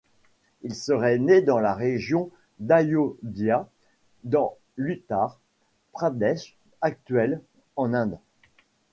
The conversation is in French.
Il serait né dans la région d'Ayodhya dans l'Uttar Pradesh actuel, en Inde.